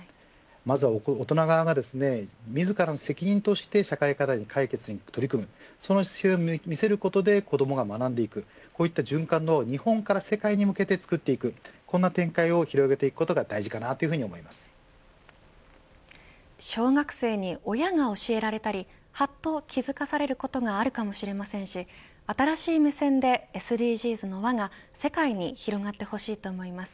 まずは大人側が自らの責任として社会課題の解決に取り組むその姿勢を見せることで子どもが学んでいくこういった循環を日本から世界に向けて作っていくこんな展開を広げていくことが小学生に親が教えられたりはっと気づかされることがあるかもしれませんし新しい目線でＳＤＧｓの輪が世界に広がってほしいと思います。